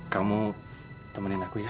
kamu temenin aku ya